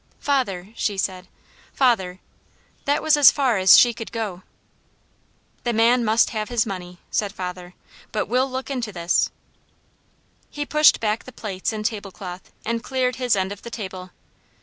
"Father!" she said. "Father !" That was as far as she could go. "The man must have his money," said father, "but we'll look into this " He pushed back the plates and tablecloth, and cleared his end of the table.